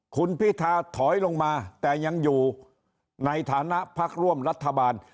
คุณพิธาถอยลงมาแต่ยังอยู่ในฐานะพักร่วมรัฐบาล